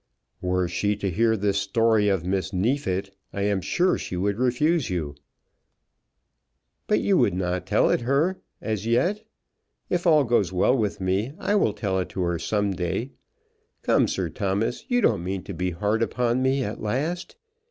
"Were she to hear this story of Miss Neefit I am sure she would refuse you." "But you would not tell it to her, as yet! If all goes well with me I will tell it to her some day. Come, Sir Thomas, you don't mean to be hard upon me at last.